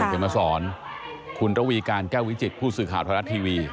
ส่งไปมาสอนคุณระวีการแก้ววิจิตผู้สื่อข่าวธรรมดาทีวี